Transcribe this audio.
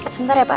sebentar ya pak